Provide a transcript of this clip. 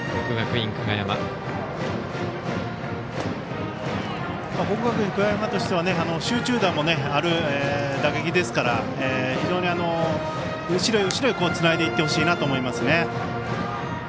国学院久我山としては集中打もある打撃ですから非常に後ろへ後ろへつないでいってほしいなと思いますね。